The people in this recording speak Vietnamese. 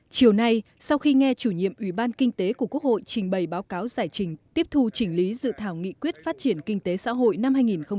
chiều nay sau khi nghe chủ nhiệm ủy ban kinh tế của quốc hội trình bày báo cáo giải trình tiếp thu chỉnh lý dự thảo nghị quyết phát triển kinh tế xã hội năm hai nghìn hai mươi